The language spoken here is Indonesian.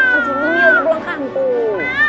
kamu belum kampung